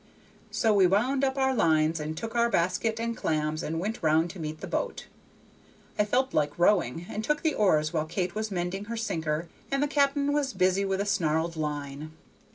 So we wound up our lines, and took our basket and clams and went round to meet the boat. I felt like rowing, and took the oars while Kate was mending her sinker and the cap'n was busy with a snarled line.